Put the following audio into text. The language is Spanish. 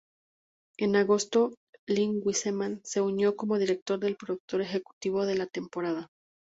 En agosto, Len Wiseman se unió como director y productor ejecutivo de la temporada.